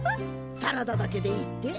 サラダだけでいいって？